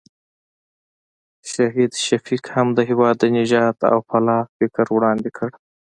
شهید شفیق هم د هېواد د نجات او فلاح فکر وړاندې کړ.